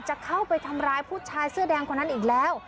จะเข้าไปทำร้ายผู้ชายเสื้อแดงคนนั้นอีกแล้ว